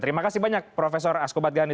terima kasih banyak profesor asko badgani